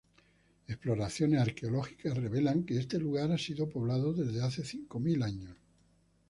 Exploraciones arqueológicas revelan que este lugar ha sido poblado desde hace cinco mil años.